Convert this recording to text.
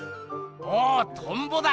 おおトンボだ！